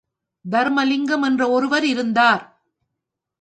தருமலிங்கம் என்ற ஒருவர் இருந்தார்.